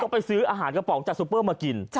ไปซื้ออาหารกระป๋องจากซูเปอร์มากิน